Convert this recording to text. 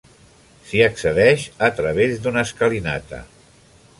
S'hi accedeix a través d'una escalinata.